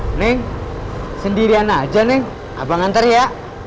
hai neng sendirian aja nih abang nganter ya